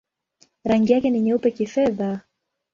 Rangi yake ni nyeupe-kifedha.